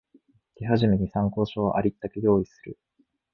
手始めに参考書をありったけ用意する